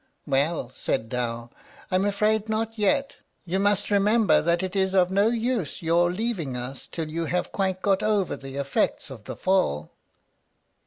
"Well," said Dow, "I'm afraid not yet; you must remember that it is of no use your leaving us till you have quite got over the effects of the fall."